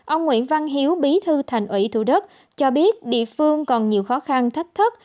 ông nguyễn văn hiếu bí thư thành ủy thủ đức cho biết địa phương còn nhiều khó khăn thách thức